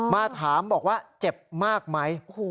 มาถามบอกว่าเจ็บมากไหม